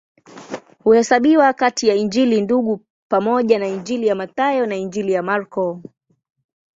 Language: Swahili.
Huhesabiwa kati ya Injili Ndugu pamoja na Injili ya Mathayo na Injili ya Marko.